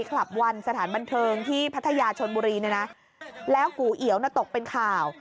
คลับวันสถานบันเทิงที่พัทยาชนบุรีเนี่ยนะแล้วกูเอียวน่ะตกเป็นข่าว